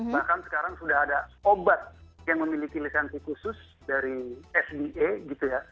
bahkan sekarang sudah ada obat yang memiliki lisensi khusus dari sda gitu ya